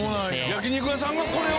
焼肉屋さんがこれを？